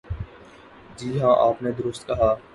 جی ہاں، آپ نے درست کہا۔